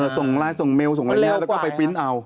ส่งไลน์ส่งเมลส่งอะไรแล้วแล้วก็ไปปริ้นต์เอา